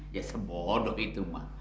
ya sebodoh itu mak